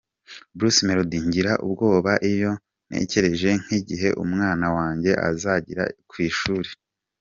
Bruce Melody: Ngira ubwoba iyo ntekereje nk’igihe umwana wanjye azagira ku ishuri.